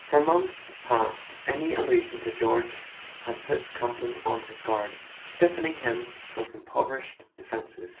For months past any allusion to George had put Campton on his guard, stiffening him with improvised defences.